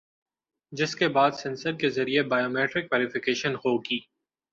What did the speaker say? جس کے بعد سینسر کے ذریعے بائیو میٹرک ویری فیکیشن ہوگی